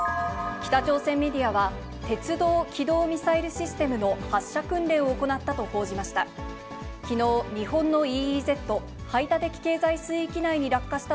北朝鮮メディアは、鉄道機動ミサイルシステムの発射訓練を行ったと報じました。